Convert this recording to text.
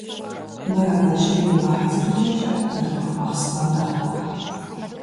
Мэрэмэжьейм и гъэхьэзырыкIэкIэ нартыху махъсымэм нэхъ тохьэ.